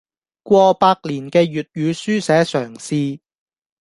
過百年嘅粵語書寫嘗試